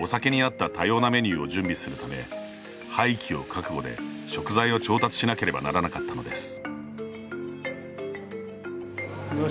お酒に合った多様なメニューを準備するため廃棄を覚悟で食材を調達しなければならなかったのです。